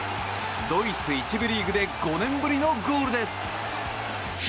ドイツ１部リーグで５年ぶりのゴールです。